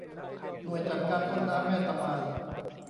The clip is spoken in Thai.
หน่วยจัดการต้นน้ำแม่ตะมาน